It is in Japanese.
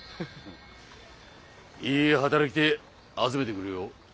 いい働き手集めてくれよ。